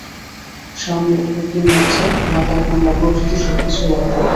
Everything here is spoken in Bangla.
স্বামীও পত্নীর মধ্যে মাতা, কন্যা প্রভৃতি সবকিছু লাভ করে।